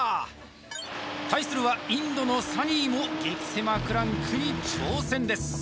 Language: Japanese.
対するはインドのサニーも激セマクランクに挑戦です